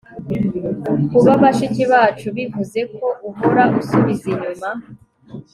kuba bashiki bacu bivuze ko uhora usubiza inyuma